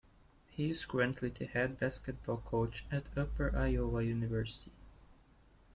He is currently the head basketball coach at Upper Iowa University.